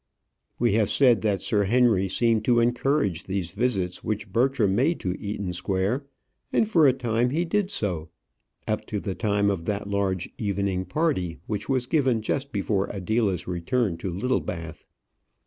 We have said that Sir Henry seemed to encourage these visits which Bertram made to Eaton Square; and for a time he did so up to the time of that large evening party which was given just before Adela's return to Littlebath.